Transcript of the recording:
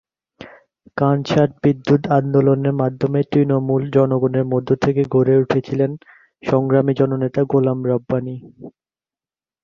কানসাট-বিদ্যুৎ আন্দোলনের মাধ্যমে তৃণমূল জনগণের মধ্যে থেকে গড়ে উঠেছিলেন সংগ্রামী জননেতা- গোলাম রাব্বানী।